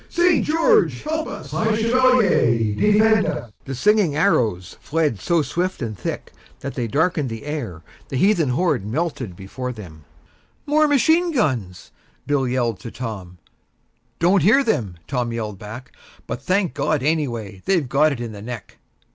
St. George help us!" "High Chevalier, defend us!" The singing arrows fled so swift and thick that they darkened the air, the heathen horde melted from before them. "More machine guns!" Bill yelled to Tom. "Don't hear them," Tom yelled back. "But, thank God, anyway; they've got it in the neck."